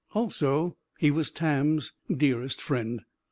Also, he was Tam's dearest friend.